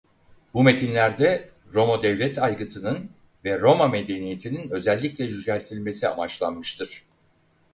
Bu metinlerde Roma devlet aygıtının ve Roma medeniyetinin özellikle yüceltilmesi amaçlanmıştır.